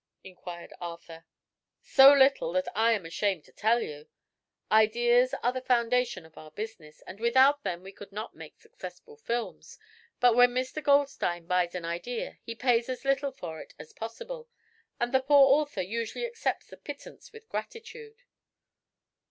inquired Arthur. "So little that I am ashamed to tell you. Ideas are the foundation of our business, and without them we could not make successful films; but when Mr. Goldstein buys an idea he pays as little for it as possible, and the poor author usually accepts the pittance with gratitude."